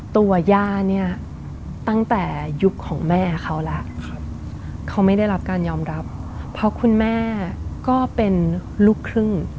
ย่าเนี่ยตั้งแต่ยุคของแม่เขาแล้วเขาไม่ได้รับการยอมรับเพราะคุณแม่ก็เป็นลูกครึ่ง